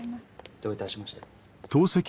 どういたしまして。